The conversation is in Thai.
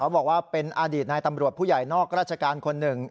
บอกว่าเป็นอดีตนายตำรวจผู้ใหญ่นอกราชการคนหนึ่ง